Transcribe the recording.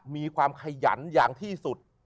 มีความขยันอย่างที่สุด